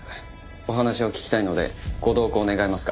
お話を聞きたいのでご同行願えますか？